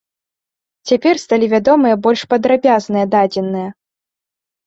Цяпер сталі вядомыя больш падрабязныя дадзеныя.